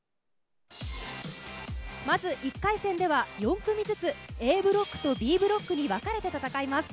まず１回戦では４組ずつＡブロックとＢブロックに分かれて戦います。